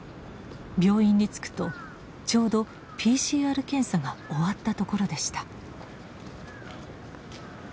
病院に着くとちょうどＰＣＲ検査が終わったところでした。